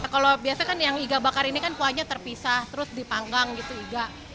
kalau biasanya kan yang iga bakar ini kan kuahnya terpisah terus dipanggang gitu iga